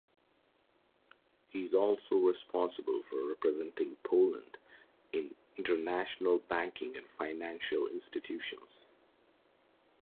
He is also responsible for representing Poland in international banking and financial institutions.